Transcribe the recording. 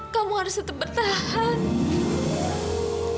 kamu harus tetap bertahan